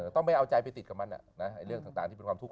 ต้องไม่เอาใจไปติดกับมันเรื่องต่างที่เป็นความทุกข์